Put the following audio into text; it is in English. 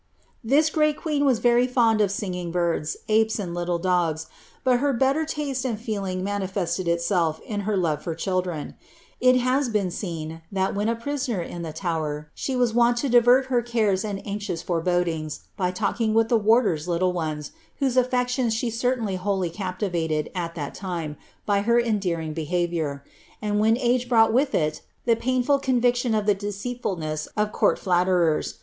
"^ This greal queen was very fond of singing birds, apes, and liiile dogs: bill her better taste and feeling niaiiilesled ilself in her love for chdiiren. It has been seen, that when a prisoner in the Tower, she was wont lo divert her cares and anxious forebodings, by lalliinff with the warder'; little ones, whose affections she certainly wholly captivated, at ihai limt, by her endearing behaviour; and when age brought with it the paiiiiul conviction of the deeeilfuluess of court llalterers.